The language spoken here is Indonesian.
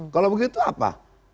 kalau begitu apa